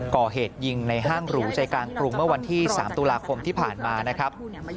ก่อเหตุยิงในห้างหรูใจกลางกรุงเมื่อวันที่๓ตุลาคมที่ผ่านมานะครับ